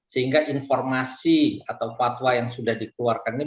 sehingga informasi atau fatwa yang sudah dikeluarkan ini